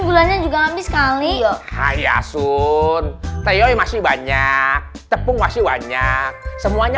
gulanya juga habis kali ya hai yasun teoy masih banyak tepung wasi banyak semuanya